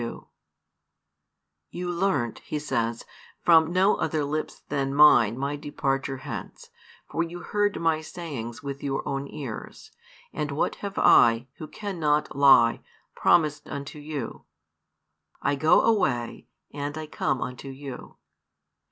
You learnt, He says, from no other lips than Mine My |343 departure hence, for you heard My sayings with your own ears, and what have I, Who cannot lie, promised unto you? I go away, and I come unto you.